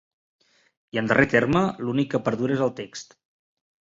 I, en darrer terme, l'únic que perdura és el text.